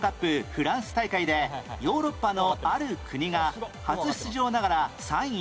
フランス大会でヨーロッパのある国が初出場ながら３位に